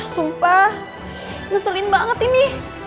sumpah ngeselin banget ini